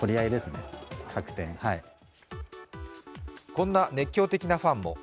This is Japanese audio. こんな熱狂的なファンも。